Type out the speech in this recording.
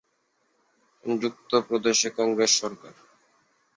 সংযুক্ত প্রদেশে কংগ্রেস সরকার।